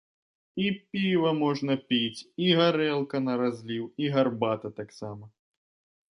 І піва можна піць, і гарэлка на разліў, і гарбата таксама!